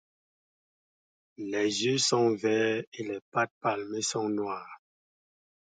Les yeux sont verts et les pattes palmées sont noires.